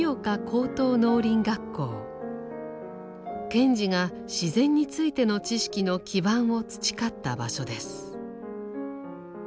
賢治が自然についての知識の基盤を培った場所です。